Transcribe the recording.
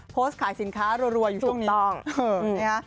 โพสต์ขายสินค้ารัวอยู่ช่วงนี้